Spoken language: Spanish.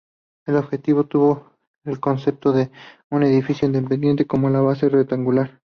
El objeto tuvo el concepto de un edificio independiente con una base rectangular.